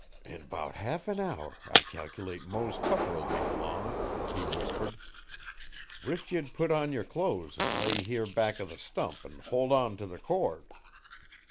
'In 'bout half an hour I cal'late Mose Tupper'll be 'long,' he whispered. 'Wisht ye'd put on yer clo's an' lay here back o' the stump an' hold on t' the cord.